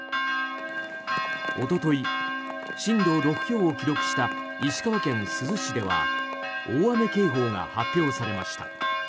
おととい、震度６強を記録した石川県珠洲市では大雨警報が発表されました。